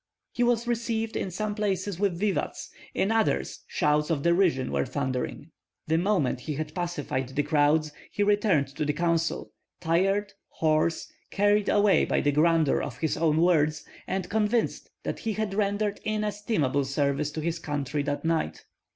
He was received in some places with vivats; in others shouts of derision were thundering. The moment he had pacified the crowd he returned to the council, tired, hoarse, carried away by the grandeur of his own words, and convinced that he had rendered inestimable service to his country that night.